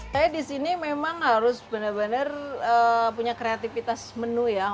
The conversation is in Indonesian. saya di sini memang harus benar benar punya kreativitas menu ya